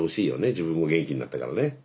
自分も元気になったからね。